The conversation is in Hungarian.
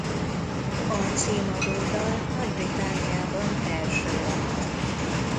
A címadó dal Nagy-Britanniában első lett.